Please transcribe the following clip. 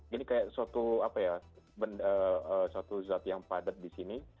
ini kayak suatu apa ya suatu zat yang padat di sini